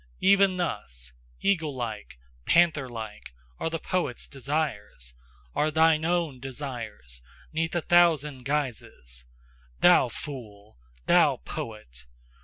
Even thus, Eaglelike, pantherlike, Are the poet's desires, Are THINE OWN desires 'neath a thousand guises, Thou fool! Thou poet!